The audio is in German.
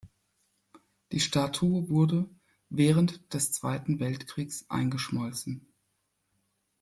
Die Statue wurde während des Zweiten Weltkriegs eingeschmolzen.